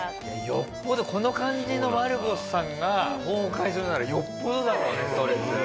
よっぽどこの感じのマルコスさんが崩壊するならよっぽどだろうねストレス。